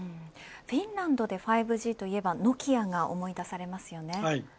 フィンランドで５Ｇといえばノキアが思い出されますよね。